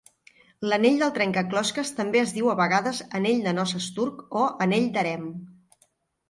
L'anell del trencaclosques també es diu a vegades "anell de noces turc" o "anell d'harem".